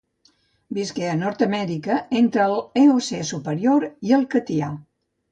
Visqué a Nord-amèrica entre l'Eocè superior i el Catià.